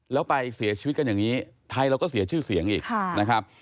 แล้วไปเสียชีวิตกันอย่างนี้ไทยเราก็เสียชื่อเสียงอีกนะครับ